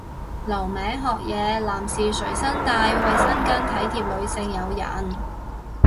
留名學嘢，男士隨身帶衛生巾體貼女性友人